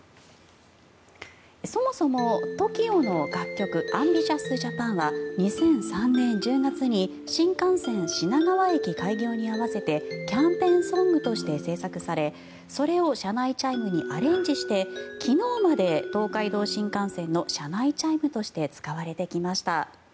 そもそもＴＯＫＩＯの楽曲「ＡＭＢＩＴＩＯＵＳＪＡＰＡＮ！」は２００３年１０月に新幹線品川駅開業に合わせてキャンペーンソングとして制作されそれを車内チャイムにアレンジして昨日まで東海道新幹線の車内チャイムとして使われてきました。